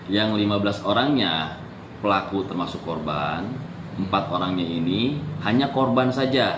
yang lima belas orangnya pelaku termasuk korban empat orangnya ini hanya korban saja